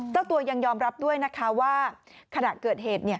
เจ้าตัวยังยอมรับด้วยนะคะว่าขณะเกิดเหตุ